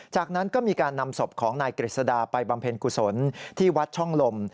จากนั้นก็มีการนำศพของนายกฤษดาไปบำเพ็ญกุศลที่วัดช่องลม